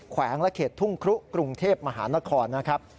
แขวงระเขตทุ่งครุกรุงเทพฯมคนะครับ